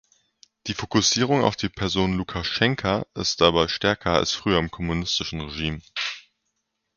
Die Fokussierung auf die Person Lukaschenka ist dabei stärker als früher im kommunistischen Regime.